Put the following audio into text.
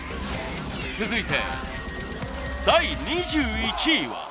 続いて第２１位は。